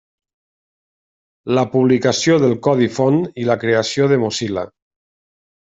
La publicació del codi font i la creació de Mozilla.